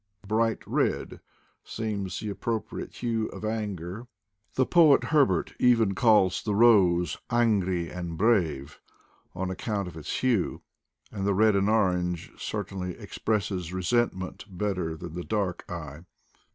Bright red seems the. appropriate hue of anger — the poet Herbert even calls the rose "angrie and brave" on account of its hue — and the red or orange certainly expresses resentment better than the dark eye.